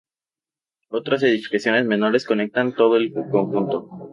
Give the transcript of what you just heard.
Otras edificaciones menores conectan todo el conjunto.